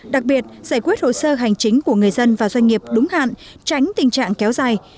đặc biệt giải quyết hồ sơ hành chính của người dân và doanh nghiệp đúng hạn tránh tình trạng kéo dài